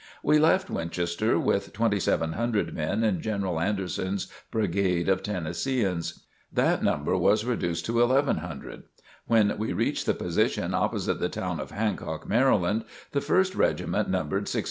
We left Winchester with 2,700 men in General Anderson's Brigade of Tennesseeans. That number was reduced to 1,100. When we reached the position opposite the town of Hancock, Maryland, the First Regiment numbered 680.